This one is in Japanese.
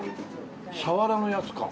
さわらのやつか。